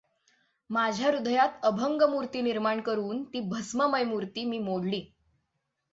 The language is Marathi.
माझ्या हृदयात अभंग मूर्ती निर्माण करून ती भस्ममय मूर्ती मी मोडली.